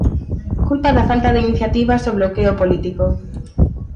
Culpa da falta de iniciativas o bloqueo político.